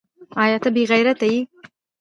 ایا ته بې غیرته یې ؟